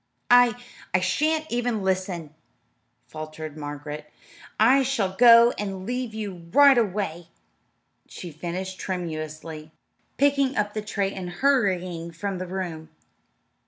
"I I shan't even listen," faltered Margaret. "I shall go and leave you right away," she finished tremulously, picking up the tray and hurrying from the room.